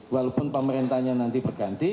walaupun pemerintahnya nanti berganti